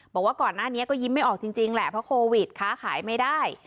บอกว่าก่อนหน้านี้ก็ยิ้มไม่ออกจริงแหละเพราะโควิดค้าขายไม่ได้